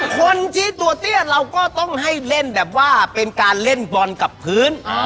คนที่ตัวเตี้ยเราก็ต้องให้เล่นแบบว่าเป็นการเล่นบอลกับพื้น